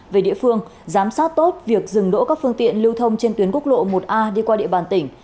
về địa phương giám sát tốt việc dừng đỗ các phương tiện lưu thông trên tuyến quốc lộ một a đi qua địa bàn tỉnh